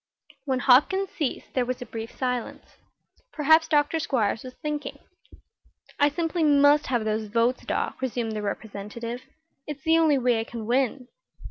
When Hopkins ceased there was a brief silence. Perhaps Dr. Squiers was thinking. "I simply must have those votes, Doc," resumed the Representative. "It's the only way I can win."